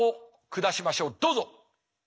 どうぞ。